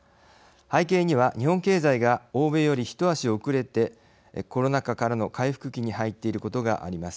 背景には日本経済が欧米より一足遅れてコロナ禍からの回復期に入っていることがあります。